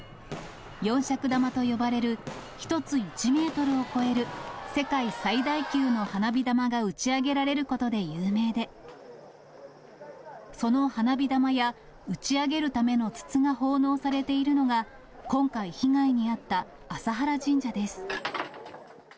四尺玉と呼ばれる、１つ１メートルを超える世界最大級の花火玉が打ち上げられることで有名で、その花火玉や打ち上げるための筒が奉納されているのが、今回、被害に遭った浅原神社です。